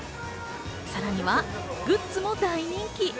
さらにはグッズも大人気。